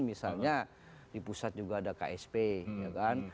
misalnya di pusat juga ada ksp ya kan